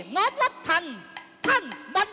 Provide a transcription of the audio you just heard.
เสาคำยันอาวุธิ